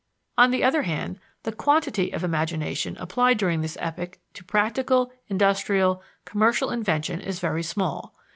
On the other hand, the quantity of imagination applied during this epoch to practical, industrial, commercial invention is very small.